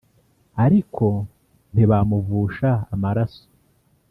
aríko ntibámuvusha amaráso